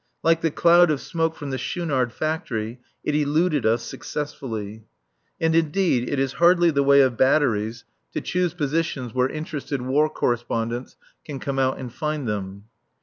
Like the cloud of smoke from the Schoonard factory, it eluded us successfully. And indeed it is hardly the way of batteries to choose positions where interested War Correspondents can come out and find them.